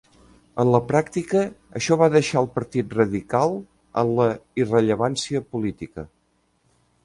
En la pràctica, això va deixar al Partit Radical en la irrellevància política.